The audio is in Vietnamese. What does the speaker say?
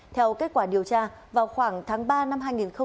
theo kết quả điều tra vào khoảng tháng ba năm hai nghìn hai mươi